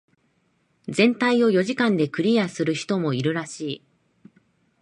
全体を四時間でクリアする人もいるらしい。